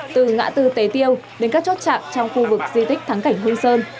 từ ngã tư tế tiêu đến các chốt chạm trong khu vực di tích thắng cảnh hương sơn